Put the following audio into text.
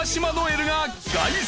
留が凱旋。